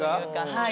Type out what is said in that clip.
はい。